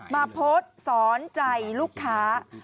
มาโพสต์สอนใจลูกค้า